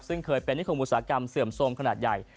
ซึ่งเคยเป็นนิคมอุตสาหกรรมเสื่อมโทรมขนาดใหญ่